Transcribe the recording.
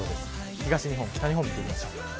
東日本、北日本見ていきましょう。